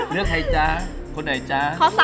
เลือกใครจ๊ะคนไหนจ๊ะ